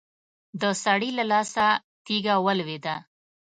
د سړي له لاسه تېږه ولوېده.